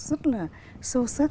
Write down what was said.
rất là sâu sắc